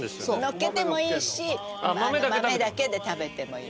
のっけてもいいし豆だけで食べてもいい。